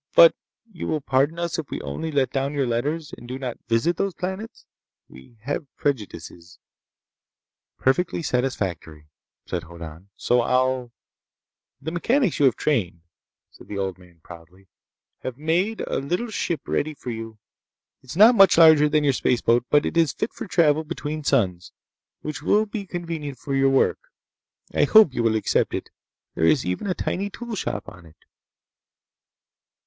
But you will pardon us if we only let down your letters, and do not visit those planets? We have prejudices—" "Perfectly satisfactory," said Hoddan. "So I'll—" "The mechanics you have trained," said the old man proudly, "have made a little ship ready for you. It is not much larger than your spaceboat, but it is fit for travel between suns, which will be convenient for your work. I hope you will accept it. There is even a tiny tool shop on it!"